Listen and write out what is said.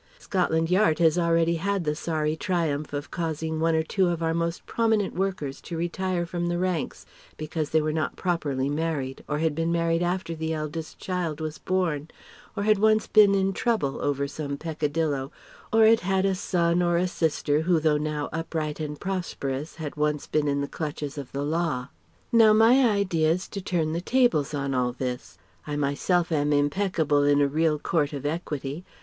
Scotland Yard has already had the sorry triumph of causing one or two of our most prominent workers to retire from the ranks because they were not properly married or had been married after the eldest child was born; or had once "been in trouble," over some peccadillo, or had had a son or a sister who though now upright and prosperous had once been in the clutches of the law. Now my idea is to turn the tables on all this. I myself am impeccable in a real court of equity.